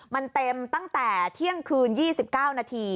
มันเต็มตั้งแต่เที่ยงคืน๒๙นาที